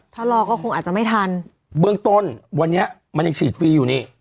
ถ้ารอก็คงอาจจะไม่ทันเบื้องต้นวันนี้มันยังฉีดฟรีอยู่นี่